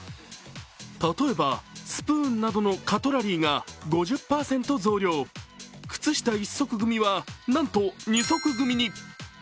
例えばスプーンなどのカトラリーが５０％増量、靴下１足組は、なんと２足組に。